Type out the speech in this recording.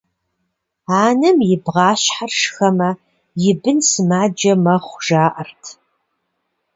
Анэм и бгъащхьэр шхэмэ, и бын сымаджэ мэхъу, жаӏэрт.